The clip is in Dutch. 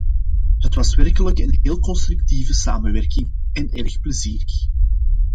Het was werkelijk een heel constructieve samenwerking en erg plezierig.